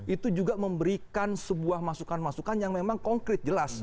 itu juga memberikan sebuah masukan masukan yang memang konkret jelas